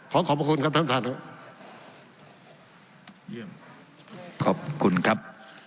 ขอขอบคุณครับท่านท่านครับ